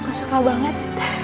aku suka banget